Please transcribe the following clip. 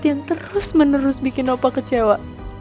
yang terus menerus bikin nopa kecewa